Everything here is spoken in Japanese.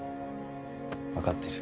わかってる。